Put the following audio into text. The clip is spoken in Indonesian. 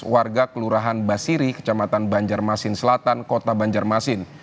warga kelurahan basiri kecamatan banjarmasin selatan kota banjarmasin